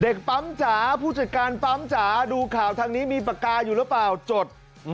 ปั๊มจ๋าผู้จัดการปั๊มจ๋าดูข่าวทางนี้มีปากกาอยู่หรือเปล่าจด